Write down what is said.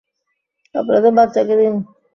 আপনাদের বাচ্চাকে নিন।